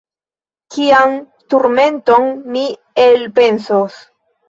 Kian turmenton mi elpensos?